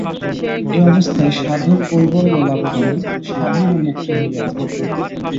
এই অবস্থায় সাধক কৈবল্য লাভ করেন, স্বাধীন ও মুক্ত হইয়া যান।